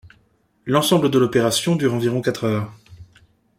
L'ensemble de l'opération dure environ quatre heures.